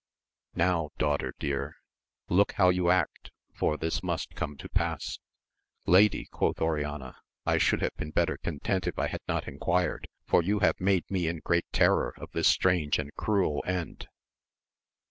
Now daughter dear, look how you act, for this must come to pass ! Lady, quoth Oriana, I should have been better content if I had not enquired, for you have made me in great terror of this strange and cruel end.